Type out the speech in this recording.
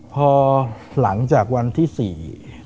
พอหลังจากวันที่สี่